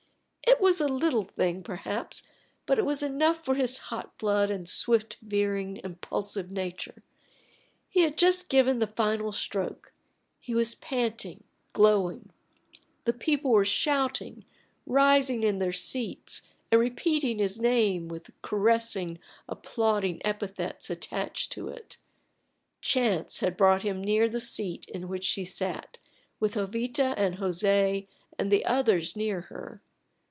It was a little thing perhaps, but it was enough for his hot blood and swift veering impulsive nature. He had just given the final stroke; he was panting, glowing. The people were shouting, rising in their seats, and repeating his name with caressing, applauding epithets attached to it. Chance had brought him near the seat in which she sat, with Jovita and José and the others near her.